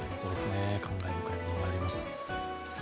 感慨深いものがあります。